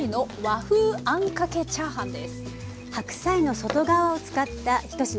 白菜の外側を使った一品。